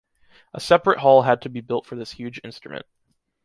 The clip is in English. A separate hall had to be built for this huge instrument.